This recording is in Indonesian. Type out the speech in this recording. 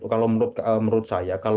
kalau menurut saya